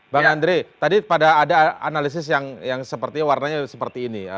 bang andre tadi pada ada analisis yang sepertinya warnanya seperti ini